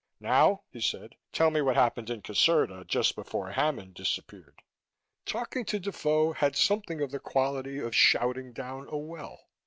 "Now," he said, "tell me what happened in Caserta just before Hammond disappeared." Talking to Defoe had something of the quality of shouting down a well.